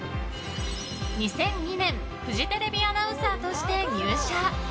２００２年フジテレビアナウンサーとして入社。